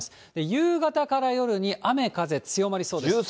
夕方から夜に、雨、風強まりそうです。